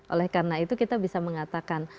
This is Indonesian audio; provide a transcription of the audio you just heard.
oleh karena itu kita bisa mengatakan